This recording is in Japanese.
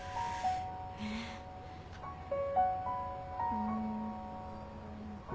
うん。